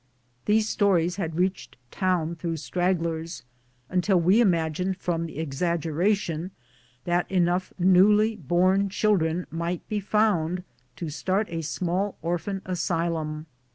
These stories had reached town through stragglers, until we imagined from the ex aggeration that enough newly born children might be found to start a small orphan asylum.